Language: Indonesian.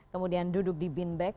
kemudian duduk di bin bag